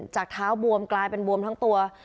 เท้าบวมกลายเป็นบวมทั้งตัว